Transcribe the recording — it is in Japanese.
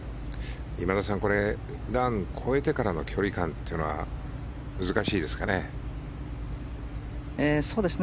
今田さん、これ段を越えてからの距離感というのは難しいですかね？